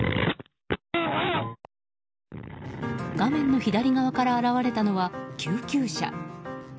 画面の左側から現れたのは救急車。